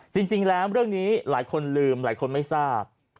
จริงแล้วเรื่องนี้หลายคนลืมหลายคนไม่ทราบ